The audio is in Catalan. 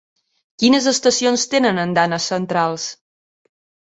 Quines estacions tenen andanes centrals?